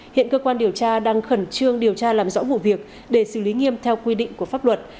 hiện cơ quan điều tra đang khẩn trương điều tra làm rõ vụ việc để xử lý nghiêm theo quy định của pháp luật